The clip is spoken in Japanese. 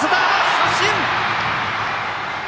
三振！